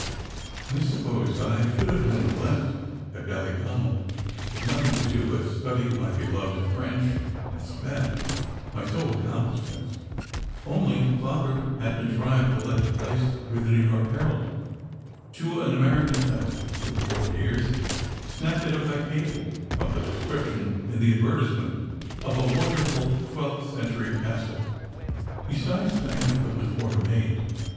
I suppose I should have been left at Ballyconal, with nothing to do but study my beloved French and Spanish, my sole accomplishments ; only Father had contrived to let the place, through the New York Herald, to an American family who, poor dears, snapped it up by cable from the description in the advertisement of ".a wonderful XII Century Castle." Besides, Diana couldn t afford a maid.